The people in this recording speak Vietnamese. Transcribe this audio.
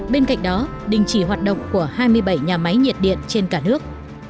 bên cạnh đó đình chỉ hoạt động của hai mươi bảy nhà máy nhiệt điện trên cả nước